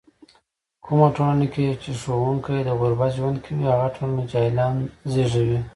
کومه ټولنه کې چې ښوونکی د غربت ژوند کوي، هغه ټولنه جاهلان زږوي.